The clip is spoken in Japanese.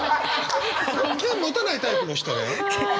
剣持たないタイプの人ね？